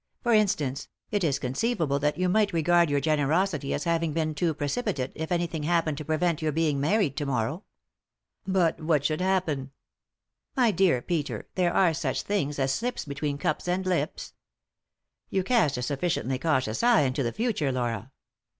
For instance, it is conceivable that you might regard your generosity as having been too precipitate if anything happened to prevent your being married to morrow." " But — what should happen ?" 288 3i 9 iii^d by Google THE INTERRUPTED KISS "My dear Peter, there are such things as slips between cups and lips." "You cast a sufficiently cautious eye into the future, Laura."